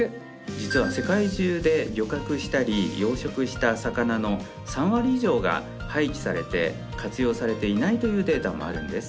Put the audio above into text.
実は世界中で漁獲したり養殖した魚の３割以上が廃棄されて活用されていないというデータもあるんです。